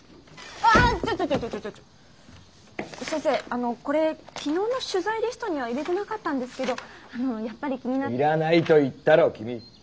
あのこれ昨日の取材リストには入れてなかったんですけどあのやっぱり要らないと気になって。